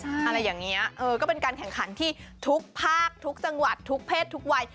อะไรอย่างนี้เออก็เป็นการแข่งขันที่ทุกภาคทุกจังหวัดทุกเพศทุกวัย